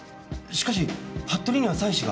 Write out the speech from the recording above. しかし服部には妻子が。